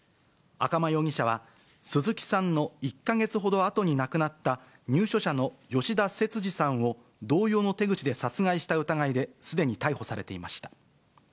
赤間容疑者は、鈴木さんの１か月ほどあとに亡くなった入所者の吉田節次さんを、同様の手口で殺害した疑いですでに逮捕されていました。